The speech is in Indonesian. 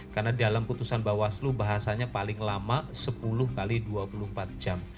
karena dalam keputusan bawaslu bahasanya paling lama sepuluh x dua puluh empat jam